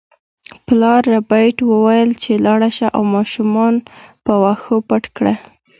پلار ربیټ وویل چې لاړه شه او ماشومان په واښو پټ کړه